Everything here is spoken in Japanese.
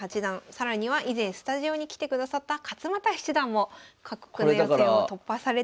更には以前スタジオに来てくださった勝又七段もこの予選を突破されております。